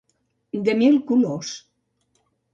De mil colors.